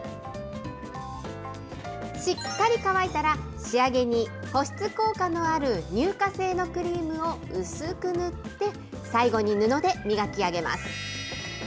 しっかり乾いたら、仕上げに保湿効果のある乳化性のクリームを薄く塗って、最後に布で磨き上げます。